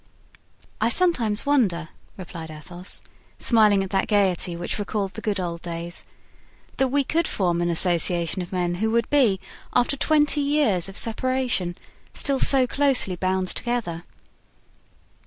"I sometimes wonder," replied Athos, smiling at that gayety which recalled the good old days, "that we could form an association of men who would be, after twenty years of separation, still so closely bound together.